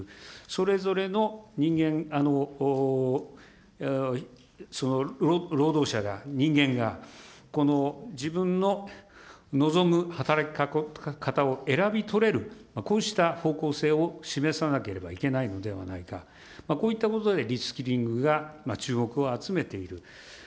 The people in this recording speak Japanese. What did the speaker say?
それぞれの人間、労働者が、人間が、この自分の望む働き方を選び取れる、こうした方向性を示さなければいけないのではないか、こういったことでリスキリングが注目を集めている。